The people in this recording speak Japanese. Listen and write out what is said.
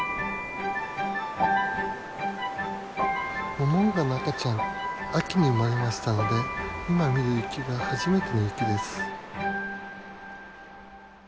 モモンガの赤ちゃん秋に生まれましたので今見る雪が初めての雪です。